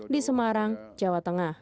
di semarang jawa tengah